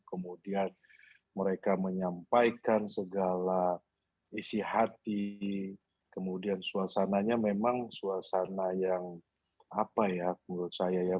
kemudian mereka menyampaikan segala isi hati kemudian suasananya memang suasana yang apa ya menurut saya ya